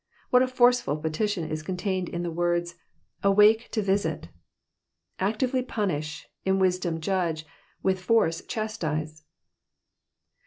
What a forceful petition is contained in the words, *' auake to f}UW ! Actively punish, in wisdom judge, with force chastise.